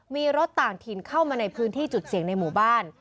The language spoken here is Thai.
มีรถต่างถิ่นเข้ามาในพื้นที่จุดเสี่ยงในหมู่บ้าน